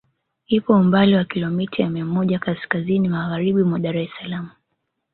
Ipo umbali wa Kilomita mia moja kaskazini Magharibi mwa Dar es Salaam